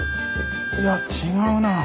いや違うな。